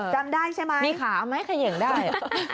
จำได้ใช่ไหมมีขาไหมเขย่งได้